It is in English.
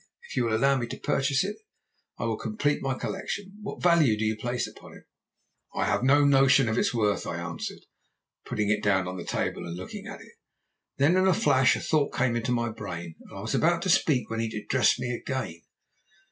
If you will allow me to purchase it, it will complete my collection. What value do you place upon it?' "'I have no sort of notion of its worth,' I answered, putting it down on the table and looking at it. Then in a flash a thought came into my brain, and I was about to speak when he addressed me again.